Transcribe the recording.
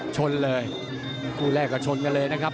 ชนเลยคู่แรกก็ชนกันเลยนะครับ